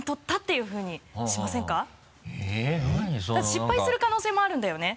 失敗する可能性もあるんだよね？